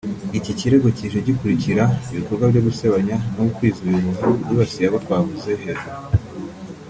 Iki kirego kije gikurikira ibikorwa byo gusebanya no gukwiza ibihuha byibasiye abo twavuze hejuru